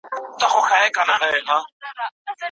ازل مي دي په وینو کي نغمې راته کرلي